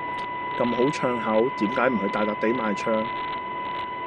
咁好唱口，點解唔去大笪地賣唱。